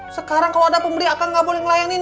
sekarang kalau ada pembeli akang gak boleh ngelayanin